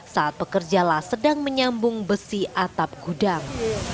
saat pekerjalah sedang menyambung besi atap gudang